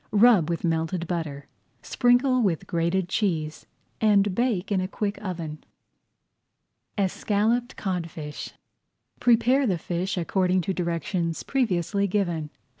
Rub with melted butter, sprinkle with grated cheese, and bake in a quick oven. ESCALLOPED CODFISH Prepare the fish according to directions previously given.